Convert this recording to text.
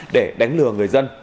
để đánh lửa